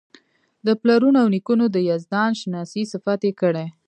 د پلرونو او نیکونو د یزدان شناسۍ صفت یې کړی.